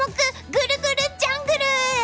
ぐるぐるジャングル！